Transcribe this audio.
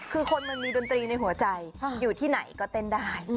คือคนมันมีดนตรีในหัวใจอยู่ที่ไหนก็เต้นได้